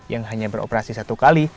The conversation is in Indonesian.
yang hanya beroperasi satu kali